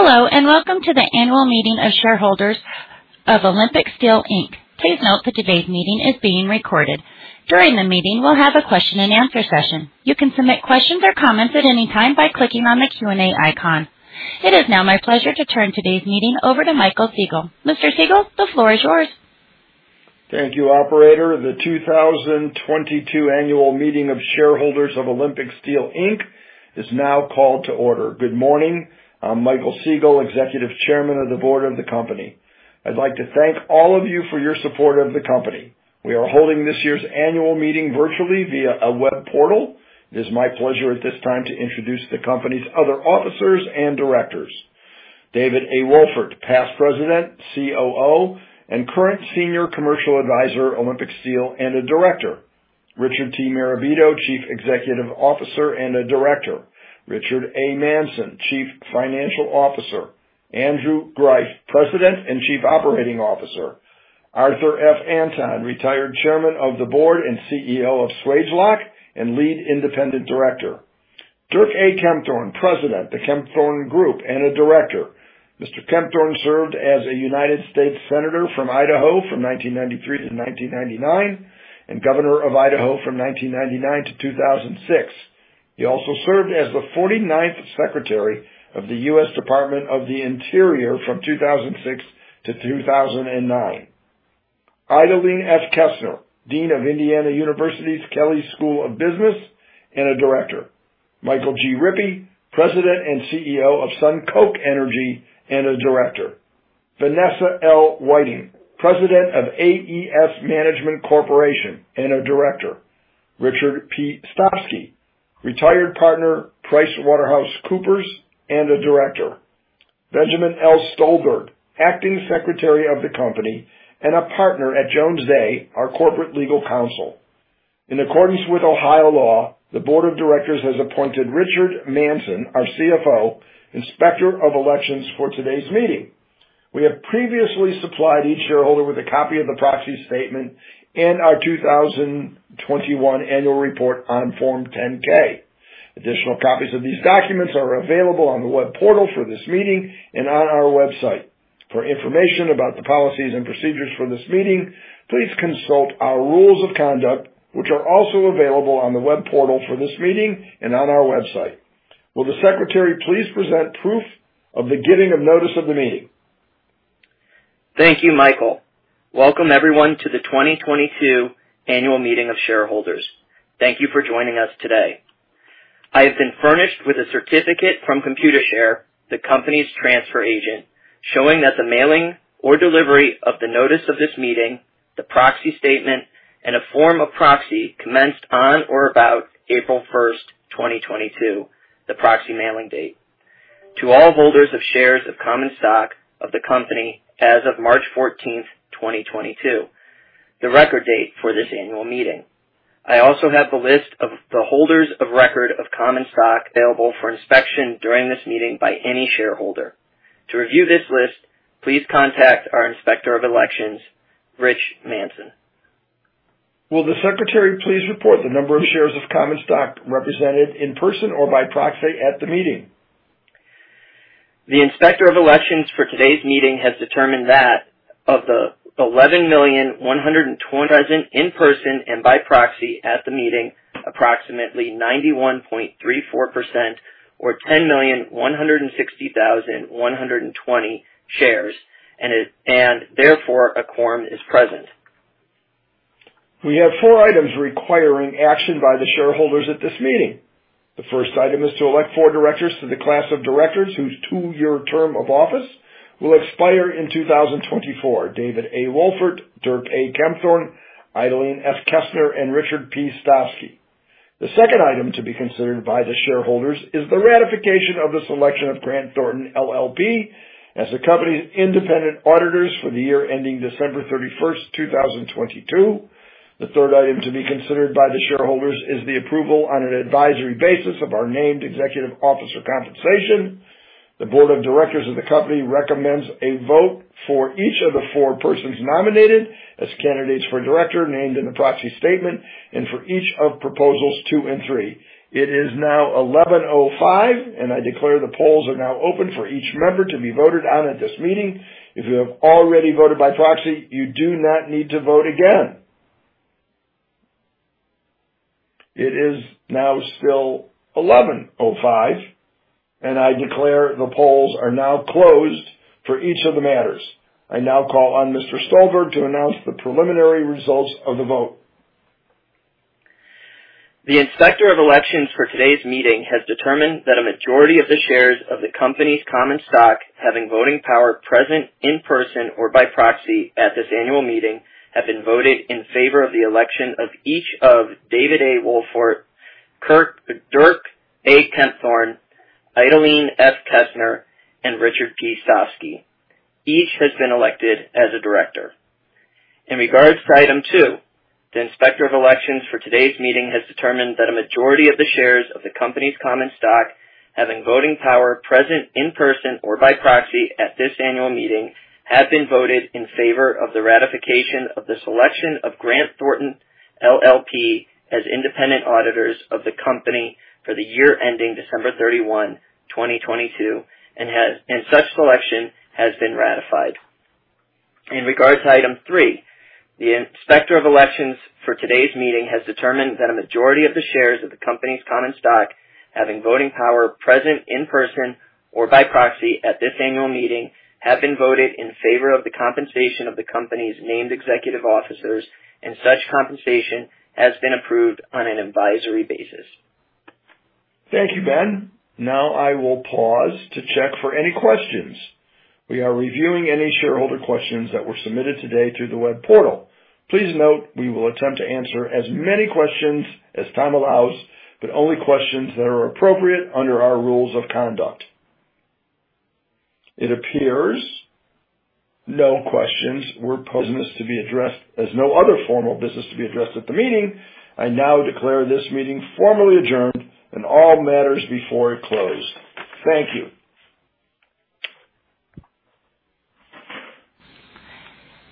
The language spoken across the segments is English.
Hello, and welcome to the annual meeting of shareholders of Olympic Steel, Inc. Please note that today's meeting is being recorded. During the meeting, we'll have a question and answer session. You can submit questions or comments at any time by clicking on the Q&A icon. It is now my pleasure to turn today's meeting over to Michael Siegal. Mr. Siegal, the floor is yours. Thank you, operator. The 2022 annual meeting of shareholders of Olympic Steel, Inc. is now called to order. Good morning. I'm Michael Siegal, Executive Chairman of the Board of the company. I'd like to thank all of you for your support of the company. We are holding this year's annual meeting virtually via a web portal. It is my pleasure at this time to introduce the company's other officers and directors. David A. Wolfort, Past President, COO and current Senior Commercial Advisor, Olympic Steel, and a Director. Richard T. Marabito, Chief Executive Officer and a Director. Richard A. Manson, Chief Financial Officer. Andrew Greiff, President and Chief Operating Officer. Arthur F. Anton, Retired Chairman of the Board and CEO of Swagelok and Lead Independent Director. Dirk A. Kempthorne, President, The Kempthorne Group and a Director. Mr. Kempthorne served as a United States Senator from Idaho from 1993 to 1999, and Governor of Idaho from 1999 to 2006. He also served as the 49th Secretary of the U.S. Department of the Interior from 2006 to 2009. Idalene F. Kesner, Dean of Indiana University's Kelley School of Business and a Director. Michael G. Rippey, President and CEO of SunCoke Energy and a Director. Vanessa L. Whiting, President of A.E.S. Management Corporation and a Director. Richard P. Stovsky, Retired Partner, PricewaterhouseCoopers and a Director. Benjamin L. Stulberg, Acting Secretary of the company and a partner at Jones Day, our corporate legal counsel. In accordance with Ohio law, the board of directors has appointed Richard A. Manson, our CFO, Inspector of Elections for today's meeting. We have previously supplied each shareholder with a copy of the proxy statement in our 2021 annual report on Form 10-K. Additional copies of these documents are available on the web portal for this meeting and on our website. For information about the policies and procedures for this meeting, please consult our rules of conduct, which are also available on the web portal for this meeting and on our website. Will the secretary please present proof of the giving of notice of the meeting? Thank you, Michael. Welcome everyone to the 2022 annual meeting of shareholders. Thank you for joining us today. I have been furnished with a certificate from Computershare, the company's transfer agent, showing that the mailing or delivery of the notice of this meeting, the proxy statement, and a form of proxy commenced on or about April 1, 2022, the proxy mailing date, to all holders of shares of common stock of the company as of March 14, 2022, the record date for this annual meeting. I also have the list of the holders of record of common stock available for inspection during this meeting by any shareholder. To review this list, please contact our Inspector of Elections, Rich Manson. Will the secretary please report the number of shares of common stock represented in person or by proxy at the meeting? The Inspector of Elections for today's meeting has determined that of the 11,000,120 in person and by proxy at the meeting, approximately 91.34% or 10,160,120 shares and therefore, a quorum is present. We have four items requiring action by the shareholders at this meeting. The first item is to elect four directors to the class of directors whose two-year term of office will expire in 2024. David A. Wolfort, Dirk A. Kempthorne, Idalene F. Kesner, and Richard P. Stovsky. The second item to be considered by the shareholders is the ratification of the selection of Grant Thornton LLP as the company's independent auditors for the year ending December 31, 2022. The third item to be considered by the shareholders is the approval on an advisory basis of our named executive officer compensation. The board of directors of the company recommends a vote for each of the four persons nominated as candidates for director named in the proxy statement and for each of proposals two and three. It is now 11:05 A.M., and I declare the polls are now open for each member to be voted on at this meeting. If you have already voted by proxy, you do not need to vote again. It is now still 11:05 A.M., and I declare the polls are now closed for each of the matters. I now call on Mr. Stulberg to announce the preliminary results of the vote. The Inspector of Elections for today's meeting has determined that a majority of the shares of the company's common stock having voting power present in person or by proxy at this annual meeting, have been voted in favor of the election of each of David A. Wolfort, Dirk A. Kempthorne, Idalene F. Kesner, and Richard P. Stovsky. Each has been elected as a director. In regards to item two, the Inspector of Elections for today's meeting has determined that a majority of the shares of the company's common stock having voting power present in person or by proxy at this annual meeting, have been voted in favor of the ratification of the selection of Grant Thornton LLP as independent auditors of the company for the year ending December 31, 2022, and such selection has been ratified. In regards to item three, the Inspector of Elections for today's meeting has determined that a majority of the shares of the company's common stock having voting power present in person or by proxy at this annual meeting, have been voted in favor of the compensation of the company's named executive officers and such compensation has been approved on an advisory basis. Thank you, Ben. Now I will pause to check for any questions. We are reviewing any shareholder questions that were submitted today through the web portal. Please note we will attempt to answer as many questions as time allows, but only questions that are appropriate under our rules of conduct. It appears no questions were posed. Business to be addressed. As no other formal business to be addressed at the meeting, I now declare this meeting formally adjourned and all matters before it closed. Thank you.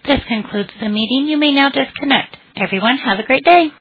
This concludes the meeting. You may now disconnect. Everyone, have a great day.